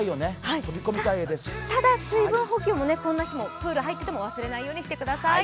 ただ、水分補給もプールに入ってても忘れないようにしてください。